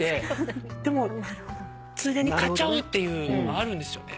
でもついでに買っちゃうってあるんですよね。